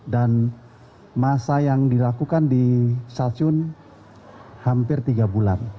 dan masa yang dilakukan di stasiun hampir tiga bulan